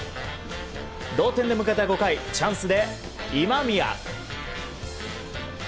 同点で迎えた５回チャンスで今宮。